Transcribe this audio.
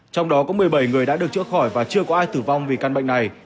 trong đó có một mươi bảy người đã được chữa khỏi và chưa có ai tử vong vì căn bệnh này